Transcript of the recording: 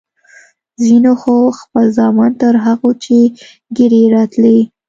ځينو خو خپل زامن تر هغو چې ږيرې يې راتلې.